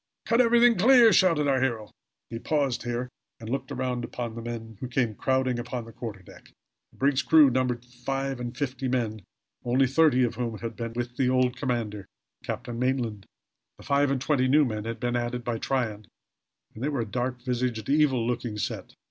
Cut everything clear!" shouted our hero. He paused here, and looked around upon the men who came crowding upon the quarter deck. The brig's crew numbered five and fifty men, only thirty of whom had been with the old commander, Captain Maitland. The five and twenty new men had been added by Tryon, and they were a dark visaged, evil eyed looking set.